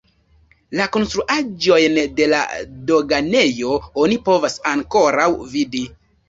La konstruaĵojn de la doganejo oni povas ankoraŭ vidi.